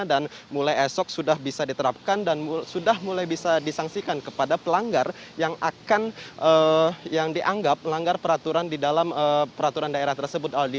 dan mulai esok sudah bisa diterapkan dan sudah mulai bisa disangsikan kepada pelanggar yang akan yang dianggap pelanggar peraturan di dalam peraturan daerah tersebut aldi